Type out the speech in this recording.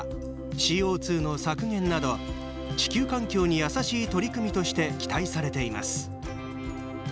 ＣＯ２の削減など地球環境に優しい取り組みとして期待されています。